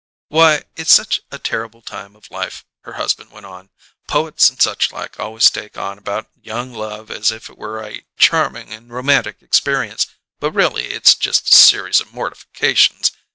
"Why, it's a terrible time of life," her husband went on. "Poets and suchlike always take on about young love as if it were a charming and romantic experience, but really it's just a series of mortifications.